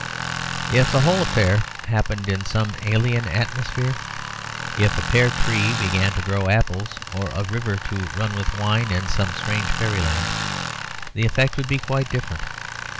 If the whole affair happened in some alien atmosphere, if a pear tree began to grow apples or a river to run with wine in some strange fairyland, the effect would be quite different.